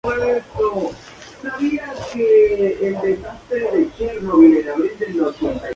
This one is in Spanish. Durante un tiempo fue alumno de Louis Marchand.